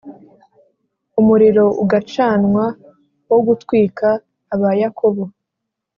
Umuriro ugacanwa wo gutwika Abayakobo